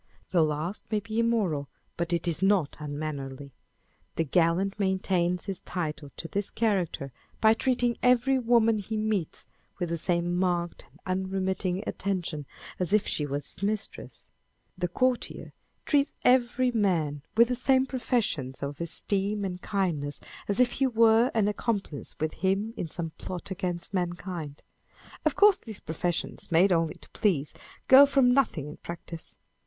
The last may be immoral, but it is not unmannerly. The gallant maintains his title to this character by treating every woman he meets with the same marked and unremitting attention as if she was his mistress : the courtier treats every man with the x 306 On the Look of a Gentleman. same professions of esteem and kindness as if be were an accomplice with him in some plot against mankind. Of course, these professions, made only to please, go for nothing in practice.